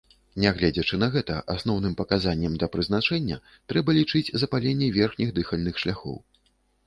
Нягледзячы на гэта, асноўным паказаннем да прызначэння трэба лічыць запаленне верхніх дыхальных шляхоў.